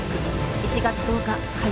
１月１０日火曜